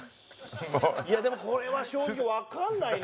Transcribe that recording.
いやでもこれは正直わかんないね。